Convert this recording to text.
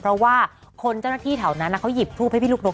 เพราะว่าคนเจ้าหน้าที่แถวนั้นเขาหยิบทูปให้พี่ลูกนก